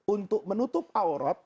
untuk menutup aurat